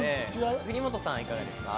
国本さん、いかがですか？